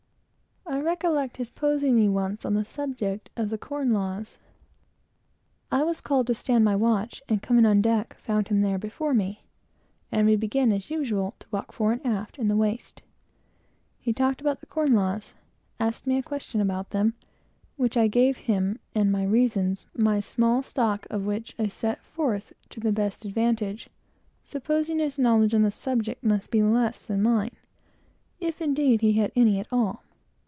I recollect his posing me once on the subject of the Corn Laws. I was called to stand my watch, and, coming on deck, found him there before me; and we began, as usual, to walk fore and aft, in the waist. He talked about the Corn Laws; asked me my opinion about them, which I gave him; and my reasons; my small stock of which I set forth to the best advantage, supposing his knowledge on the subject must be less than mine, if, indeed, he had any at all.